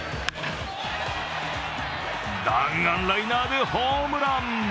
弾丸ライナーでホームラン。